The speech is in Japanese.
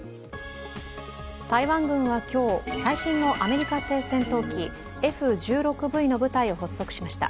台湾軍は今日、最新のアメリカ製戦闘機、Ｆ−１６Ｖの部隊を発足しました。